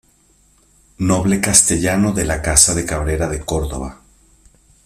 Noble castellano de la Casa de Cabrera de Córdoba.